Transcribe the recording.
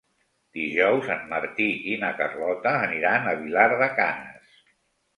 Dijous en Martí i na Carlota aniran a Vilar de Canes.